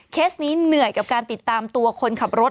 นี้เหนื่อยกับการติดตามตัวคนขับรถ